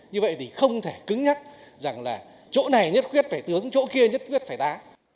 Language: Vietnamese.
như vậy thì không thể cứng nhắc rằng là chỗ này nhất quyết phải tướng chỗ kia nhất quyết phải tá